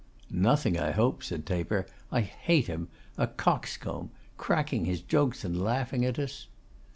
'Nothing, I hope,' said Taper. 'I hate him. A coxcomb! Cracking his jokes and laughing at us.